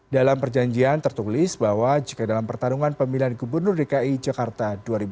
dalam perjanjian tertulis bahwa jika dalam pertarungan pemilihan gubernur dki jakarta dua ribu tujuh belas